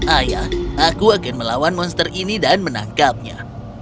ayah aku akan melawan monster ini dan menangkapnya